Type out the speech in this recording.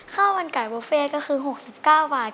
ข้าวมันไก่บุฟเฟ่ก็คือ๖๙บาท